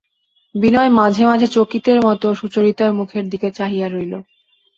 বিনয় মাঝে মাঝে চকিতের মতো সুচরিতার মুখের দিকে চাহিয়া লইল।